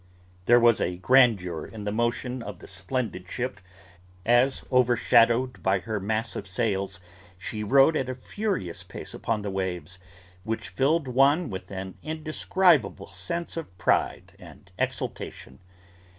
There was a grandeur in the motion of the splendid ship, as overshadowed by her mass of sails, she rode at a furious pace upon the waves, which filled one with an indescribable sense of pride and exultation.